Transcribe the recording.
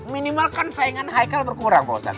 minimal kan saingan high care berkurang pak ustadz